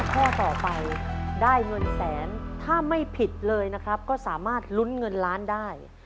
ข้อต่อไปได้เงินแสนถ้าไม่ผิดเลยนะครับก็สามารถลุ้นเงินล้านได้